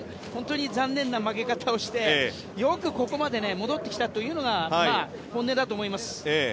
本当に残念な負け方をしてよくここまで戻ってきたというのが本音だと思います。